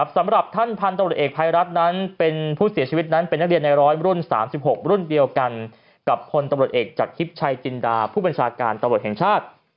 สำหรับท่านพันธุ์ตำรวจเอกภัยรัฐนั้นเป็นผู้เสียชีวิตนั้นเป็นนักเรียนในร้อยรุ่น๓๖รุ่นเดียวกันกับพลตำรวจเอกจากทิพย์ชัยจินดาผู้บัญชาการตำรวจแห่งชาติ